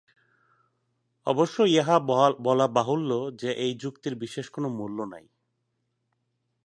অবশ্য ইহা বলা বাহুল্য যে, এই যুক্তির বিশেষ কোন মূল্য নাই।